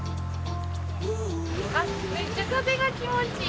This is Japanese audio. めっちゃ風が気持ちいい。